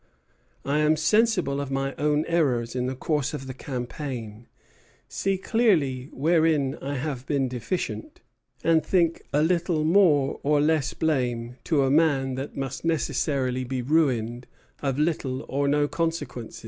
I am sensible of my own errors in the course of the campaign, see clearly wherein I have been deficient, and think a little more or less blame to a man that must necessarily be ruined, of little or no consequence.